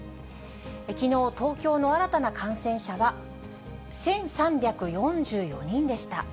きのう、東京の新たな感染者は１３４４人でした。